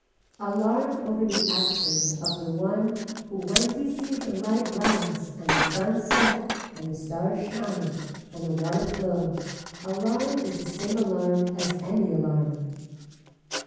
Alarm over the action of the one who when he sees the light rise and the sun set and the stars shine and the water flow alarm is the same alarm as any alarm.